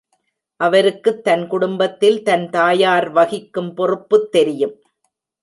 அவருக்குத் தன் குடும்பத்தில் தன் தாயார் வகிக்கும் பொறுப்புத் தெரியும்.